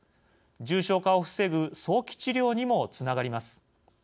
重症化を防ぐ早期治療にもつながります。